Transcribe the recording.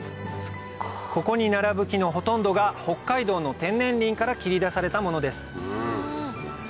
ここに並ぶ木のほとんどが北海道の天然林から切り出されたものです